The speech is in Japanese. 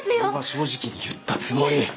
俺は正直に言ったつもり。